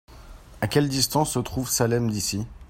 À quelle distance se trouve Salem d'ici ?